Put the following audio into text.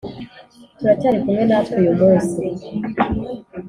turacyari kumwe natwe uyu munsi.